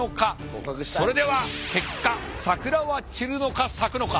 それでは結果桜は散るのか咲くのか。